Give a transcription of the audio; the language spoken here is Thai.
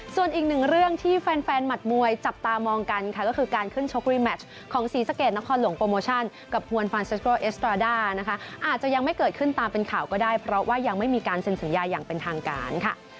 ส่วนอีกหนึ่งเรื่องที่แฟนหมัดมวยจับตามองกันค่ะก็คือการขึ้นชกรีแมชของศรีสะเกดนครหลวงโปรโมชั่นกับฮวนฟานเซสโกเอสตราด้านะคะอาจจะยังไม่เกิดขึ้นตามเป็นข่าวก็ได้เพราะว่ายังไม่มีการเซ็นสัญญาอย่างเป็นทางการค่ะ